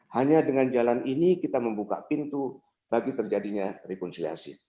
hanya dengan jalan ini kita membuka pintu bagi terjadinya rekonsiliasi